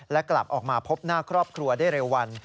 และกลับออกมาพบหน้าครอบครัวได้เร็ววัน